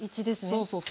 そうそうそう。